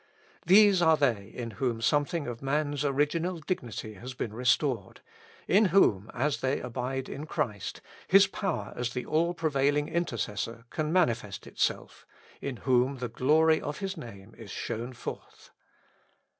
These are they in whom something of man's original dignity hath been restored, in whom, as they abide in Christ, His power as the all prevailing Intercessor can manifest itself, in w^hom the glory of His name is shown forth.